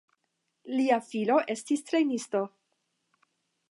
Lia filo estis trejnisto.